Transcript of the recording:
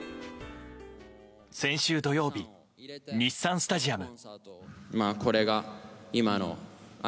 先週土曜日、日産スタジアム。